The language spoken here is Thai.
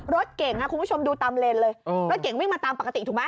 รถเก่งคุณผู้ชมดูตามเลนเลยรถเก่งวิ่งมาตามปกติถูกไหม